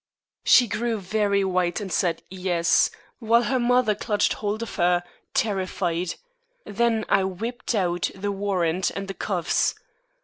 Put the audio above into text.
She grew very white, and said 'Yes,' while her mother clutched hold of her, terrified. Then I whipped out the warrant and the cuffs.